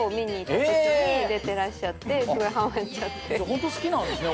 ホント好きなんですね